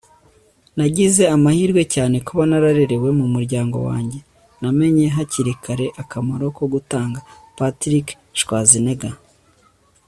nagize amahirwe cyane kuba nararerewe mu muryango wanjye. namenye hakiri kare akamaro ko gutanga. - patrick schwarzenegger